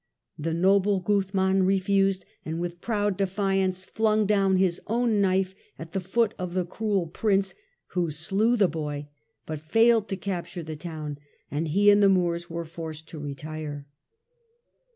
The noble Guzman refused, and with proud defiance flung down his own knife at the foot of the cruel Prince, who slew the boy, but failed to capture the town, and he and the Moors were forced to retire.